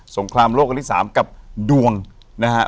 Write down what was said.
งครามโลกอันที่๓กับดวงนะฮะ